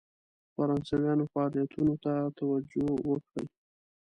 فرانسویانو فعالیتونو ته توجه وکړي.